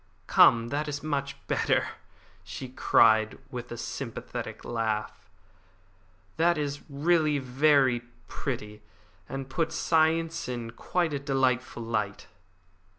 "Come, that is much better," she cried, with her sympathetic laugh. "That is really very pretty, and puts science in quite a delightful light."